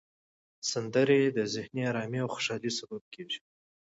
سندرې د ذهني آرامۍ او خوشحالۍ سبب دي.